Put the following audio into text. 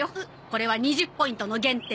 これは２０ポイントの減点です。